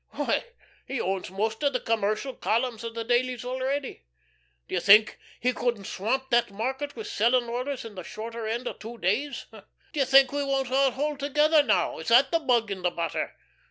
Why, he owns most of the commercial columns of the dailies already. D'ye think he couldn't swamp that market with sellin' orders in the shorter end o' two days? D'ye think we won't all hold together, now? Is that the bug in the butter?